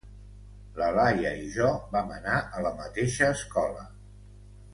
La Laia i jo vam anar a la mateixa escola.